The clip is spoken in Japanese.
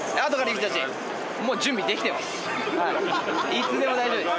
いつでも大丈夫です。